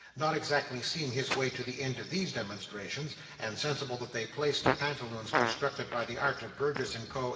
Not exactly seeing his way to the end of these demonstrations, and sensible that they placed the pantaloons constructed by the art of Burgess and Co.